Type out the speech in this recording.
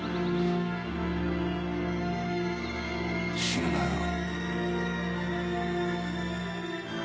死ぬなよ。